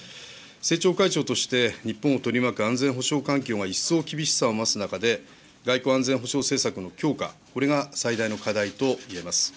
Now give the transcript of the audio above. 政調会長として、日本を取り巻く安全保障環境が一層厳しさを増す中で、外交・安全保障政策の強化、これが最大の課題といえます。